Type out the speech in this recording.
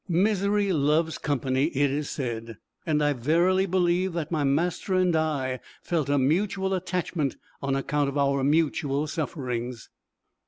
Misery loves company, it is said, and I verily believe that my master and I felt a mutual attachment on account of our mutual sufferings.